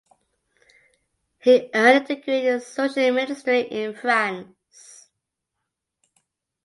He earned a degree in social ministry in France.